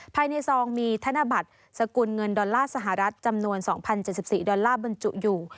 ซองมีธนบัตรสกุลเงินดอลลาร์สหรัฐจำนวน๒๐๗๔ดอลลาร์บรรจุอยู่